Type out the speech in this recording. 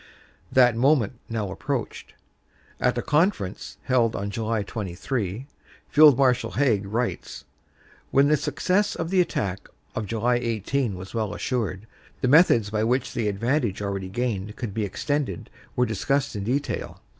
That moment now approached. "At a conference held on July 23," Field Marshal Haig writes, "when the success of the attack of July 18 was well assured, the methods by which the advantage already gained could be extended were discussed in detail.